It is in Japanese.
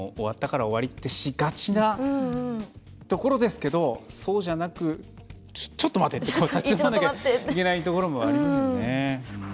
終わったから終わりってしがちなところですけどそうじゃなく、ちょっと待てと立ち止まらないといけないところもありますよね。